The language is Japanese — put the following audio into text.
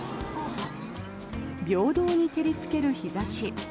平等に照りつける日差し。